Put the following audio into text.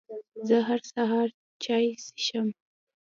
زه هر سهار چای څښم